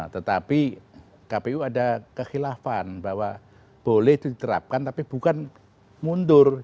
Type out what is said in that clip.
tetapi kpu ada kekhilafan bahwa boleh diterapkan tapi bukan mundur